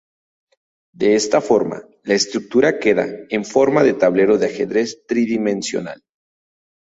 De esta forma la estructura queda en forma de tablero de ajedrez tridimensional.